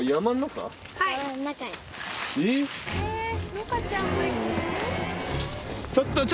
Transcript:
のかちゃんも行くの？